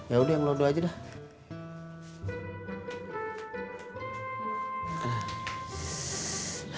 yaudah yang lodoh aja dah